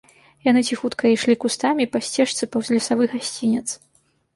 Яны ціхутка ішлі кустамі па сцежцы паўз лесавы гасцінец.